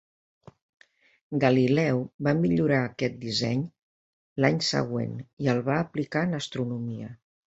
Galileu va millorar aquest disseny l'any següent i el va aplicar en astronomia.